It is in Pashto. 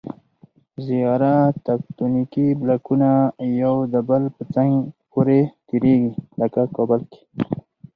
زیاره تکتونیکي بلاکونه یو د بل په څنګ پورې تېریږي. لکه کابل کې